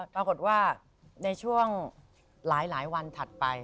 ปรากฏว่าในช่วงหลายวันถัดไป